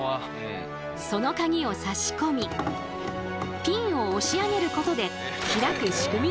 そのカギを差し込みピンを押し上げることで開く仕組みだったんです。